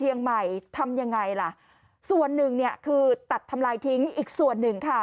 ยังไงล่ะส่วนหนึ่งคือตัดทำลายทิ้งอีกส่วนหนึ่งค่ะ